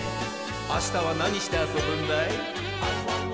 あしたはなにしてあそぶんだい？